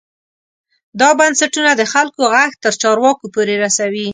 دا بنسټونه د خلکو غږ تر چارواکو پورې رسوي.